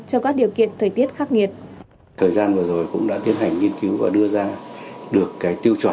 trong các điều kiện thời tiết khắc nghiệt